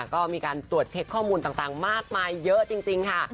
ก็มีการตรวจเช็คข้อมูลต่างมากมายเยอะจริงค่ะ